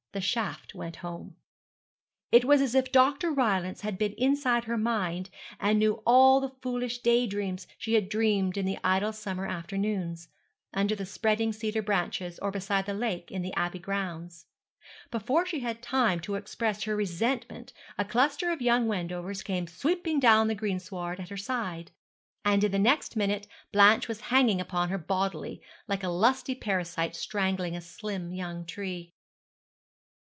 The shaft went home. It was as if Dr. Rylance had been inside her mind and knew all the foolish day dreams she had dreamed in the idle summer afternoons, under the spreading cedar branches, or beside the lake in the Abbey grounds. Before she had time to express her resentment a cluster of young Wendovers came sweeping down the greensward at her side, and in the next minute Blanche was hanging upon her bodily, like a lusty parasite strangling a slim young tree.